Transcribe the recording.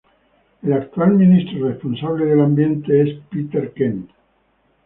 Desde el el actual ministro responsable del ambiente es Peter Kent.